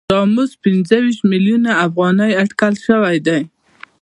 دا مزد پنځه ویشت میلیونه افغانۍ اټکل شوی دی